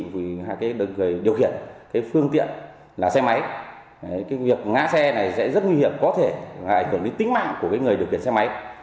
vì điều khiển phương tiện là xe máy việc ngã xe này sẽ rất nguy hiểm có thể ảnh hưởng đến tính mạng của người điều khiển xe máy